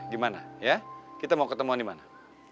gimana ya kita mau ketemuan di mana